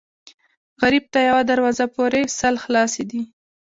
غریب ته یوه دروازه پورې سل خلاصې دي